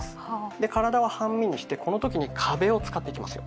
で体は半身にしてこの時に壁を使っていきますよ。